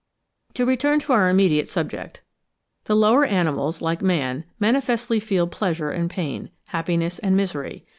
To return to our immediate subject: the lower animals, like man, manifestly feel pleasure and pain, happiness and misery.